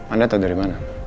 anda tau dari mana